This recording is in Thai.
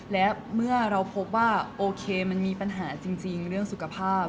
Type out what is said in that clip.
และเมื่อเราพบว่าโอเคมันมีปัญหาจริงเรื่องสุขภาพ